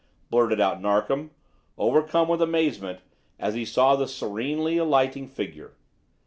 blurted out Narkom, overcome with amazement, as he saw the serenely alighting figure.